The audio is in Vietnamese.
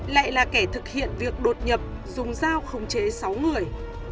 để thực hiện việc đột nhập dùng dao khống chế sáu người